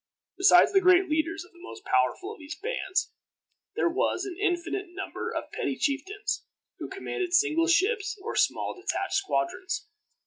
Besides the great leaders of the most powerful of these bands, there was an infinite number of petty chieftains, who commanded single ships or small detached squadrons.